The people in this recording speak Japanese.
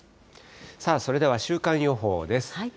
さあそれでは週間予報です。